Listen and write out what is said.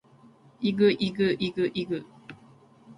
ｲｸﾞｲｸﾞｲｸﾞｲｸﾞ